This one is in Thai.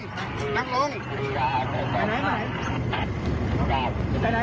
ไปไหนกัน